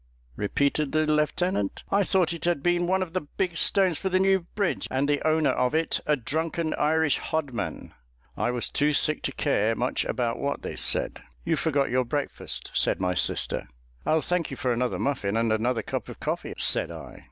repeated the lieutenant, 'I thought it had been one of the big stones for the new bridge, and the owner of it a drunken Irish hodman.' I was too sick to care much about what they said." "You forget your breakfast," said my sister. "I'll thank you for another muffin, and another cup of coffee," said I.